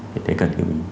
thì đấy cần hiểu ý